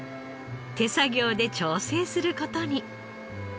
手作業で調整する事に。